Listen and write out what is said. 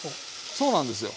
そうなんですよ。